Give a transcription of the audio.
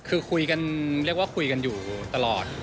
คือคุยกันเรียกว่าคุยกันอยู่ตลอด